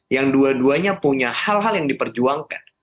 yang dua duanya punya hal hal yang diperjuangkan